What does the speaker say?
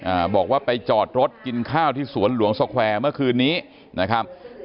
อ่าบอกว่าไปจอดรถกินข้าวที่สวนหลวงสแควร์เมื่อคืนนี้นะครับ